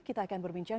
kita akan berbincang